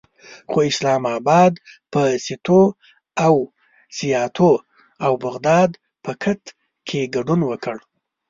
خو اسلام اباد په سیتو او سیاتو او بغداد پکت کې ګډون وکړ.